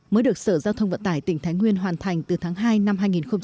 mới được sở giao thông vận tải tỉnh thái nguyên hoàn thành từ tháng hai năm hai nghìn một mươi chín